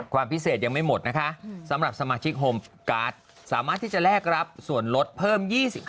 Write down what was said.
ความพิเศษยังไม่หมดนะคะสำหรับสมาชิกโฮมการ์ดสามารถที่จะแลกรับส่วนลดเพิ่ม๒๕